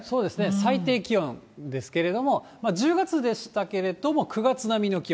最低気温ですけれども、１０月でしたけれども、９月並みの気温。